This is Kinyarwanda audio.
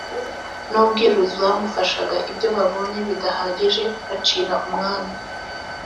n ubwiru zamufashaga ibyo babonye bidahagije bacira umwami